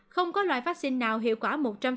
không có loại vắc xin nào hiệu quả một trăm linh